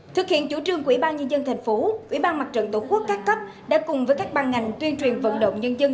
thực hiện chủ trương của ủy ban nhân dân thành phố ủy ban mặt trận tổ quốc các cấp đã cùng với các ban ngành tuyên truyền vận động nhân dân